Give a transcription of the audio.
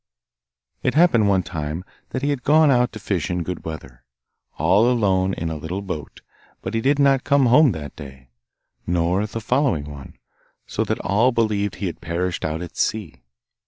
It happened one time that he had gone out to fish in good weather, all alone in a little boat, but he did not come home that day, nor the following one, so that all believed he had perished out at sea.